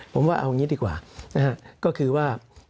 ผมว่าเอางี้ดีกว่านะฮะก็คือว่า